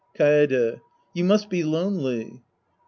Kaede. You must be lonely.